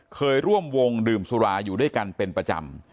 เคยร่วมวงดื่มสุราอยู่ด้วยกันเป็นประจำ